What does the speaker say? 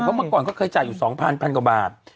เพราะเมื่อก่อนเค้าเคยจ่ายอยู่๒๐๐๐พันกว่าบาท